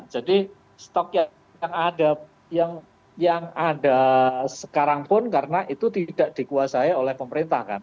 jadi stok yang ada sekarang pun karena itu tidak dikuasai oleh pemerintah kan